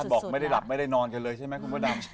บอกไม่ได้หลับไม่ได้นอนกันเลยใช่ไหมคุณพระดำ